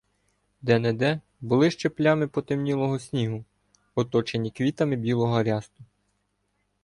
Де-не-де були ще плями потемнілого снігу, оточені квітами білого рясту.